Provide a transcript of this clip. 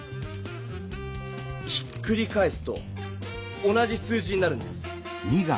ひっくり返すと同じ数字になるんです。